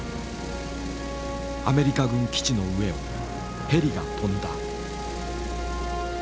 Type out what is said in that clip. アメリカ軍基地の上をヘリが飛んだ。